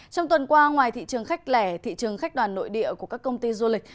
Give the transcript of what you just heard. trong tuần qua ngoài thị trường khách lẻ thị trường khách đoàn nội địa của các công ty du lịch